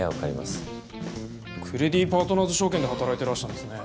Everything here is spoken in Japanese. クレディ・パートナーズ証券で働いてらしたんですね。